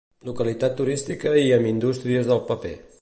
Localitat turística i amb indústries del paper.